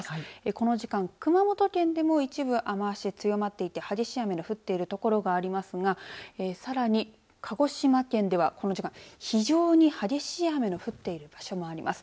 この時間熊本県でも一部雨足強まっていて激しい雨の降っているところがありますがさらに鹿児島県ではこの時間非常に激しい雨の降っている場所もあります。